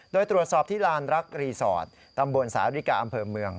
โดยตรวจสอบที่ลานรักรีสอร์ทตำบลสาริกาอำเภอเมือง